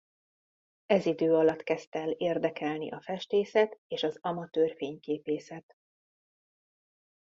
Ez idő alatt kezdte el érdekelni a festészet és az amatőr fényképészet.